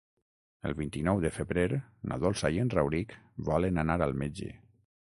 El vint-i-nou de febrer na Dolça i en Rauric volen anar al metge.